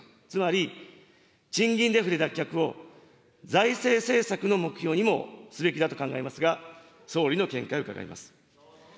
つまり、賃金デフレ脱却を、財政政策の目標にもすべきだと考えますが、総理の見解を伺います。